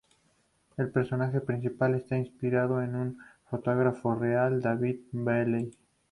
El personaje principal está inspirado en un fotógrafo real, David Bailey.